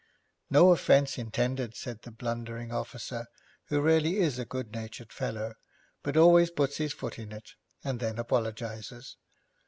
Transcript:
'No offence intended,' said this blundering officer, who really is a good natured fellow, but always puts his foot in it, and then apologises.